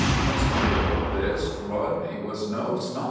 In spite of all this Rodney is no snob.